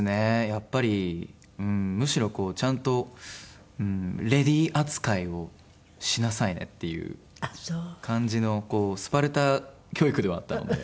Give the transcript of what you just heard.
やっぱりむしろこうちゃんとレディー扱いをしなさいねっていう感じのスパルタ教育ではあったので。